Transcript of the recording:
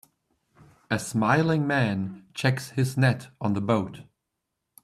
A smiling man checks his net on the boat.